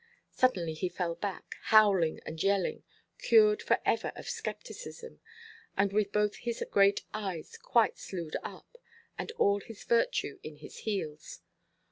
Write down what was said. Suddenly he fell back, howling and yelling, cured for ever of scepticism, and with both his great eyes quite slewed up, and all his virtue in his heels.